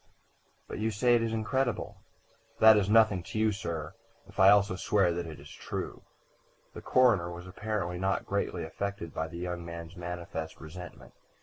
"But you say it is incredible." "That is nothing to you, sir, if I also swear that it is true." The coroner was apparently not greatly affected by the young man's manifest resentment.